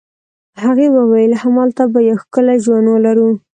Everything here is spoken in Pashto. هغې وویل: همالته به یو ښکلی ژوند ولرو.